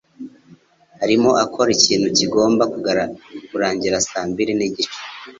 arimo akora ikintu kigomba kurangira saa mbiri nigice.